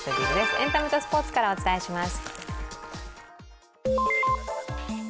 エンタメとスポーツをお伝えします。